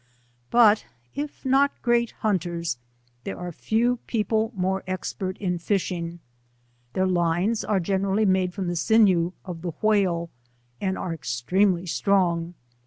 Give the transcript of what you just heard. But if not great hunters, there are few people More expert in fishing. Their lines are generally made from the sinew of the whale, and are ex tremely strong.